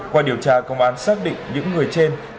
qua điều tra công an xác định những người trên